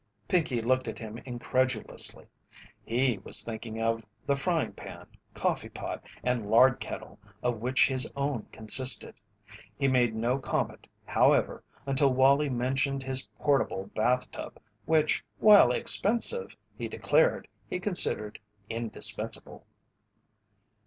Pinkey looked at him incredulously. He was thinking of the frying pan, coffee pot, and lard kettle of which his own consisted. He made no comment, however, until Wallie mentioned his portable bath tub, which, while expensive, he declared he considered indispensable.